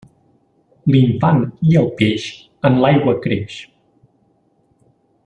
L'infant i el peix, en l'aigua creix.